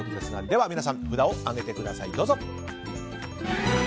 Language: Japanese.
では皆さん、札を上げてください。